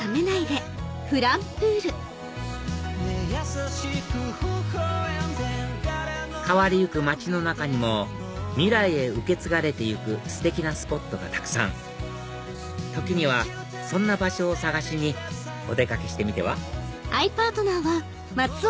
塚田君変わりゆく街の中にも未来へ受け継がれて行くステキなスポットがたくさん時にはそんな場所を探しにお出掛けしてみては？